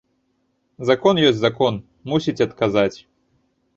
Закон ёсць закон, мусіць адказаць.